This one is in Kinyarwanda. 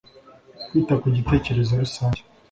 kwita ku gitekerezo rusange.